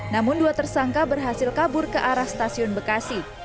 namun dua tersangka berhasil kabur ke arah stasiun bekasi